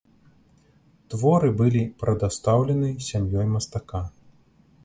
Творы былі прадастаўлены сям'ёй мастака.